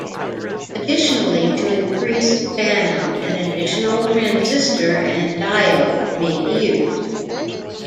Additionally, to increase fan-out, an additional transistor and diode may be used.